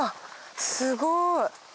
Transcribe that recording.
すごい。